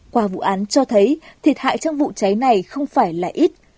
qua vụ án cho thấy thiệt hại trong vụ cháy này không phải là ít